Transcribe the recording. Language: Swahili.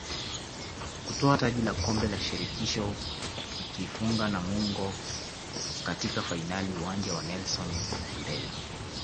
kutwaa taji la Kombe la Shirikisho ikiifunga Namungo katika fainali Uwanja wa Nelson Mandela